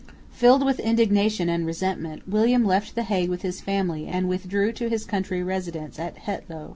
Filled with indignation and resentment, William left the Hague with his family and withdrew to his country residence at Het Loo.